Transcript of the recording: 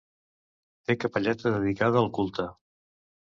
Té capelleta dedicada al culte.